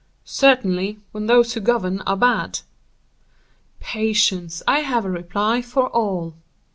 "Certainly, when those who govern are bad." "Patience, I have a reply for all."